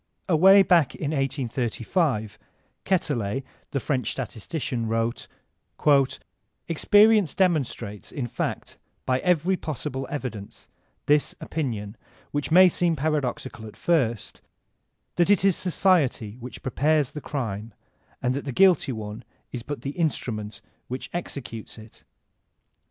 Away back in 1835 Quetelet, the French statistician, wrote: "Experience demonstrates, in fact, by every pos sible evidence, this opinion, which may seem paradoxical at first, that it is society which prepares the crime, and that the guilty one is but the instrument which executes it.